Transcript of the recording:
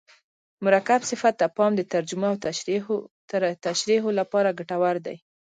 مرکب صفت ته پام د ترجمو او تشریحو له پاره ګټور دئ.